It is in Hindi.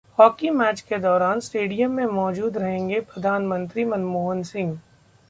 हॉकी मैच के दौरान स्टेडियम में मौजूद रहेंगे प्रधानमंत्री मनमोहन सिंह